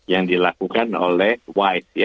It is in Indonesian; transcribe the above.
yang dilakukan oleh wide